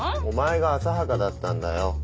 お前が浅はかだったんだよ。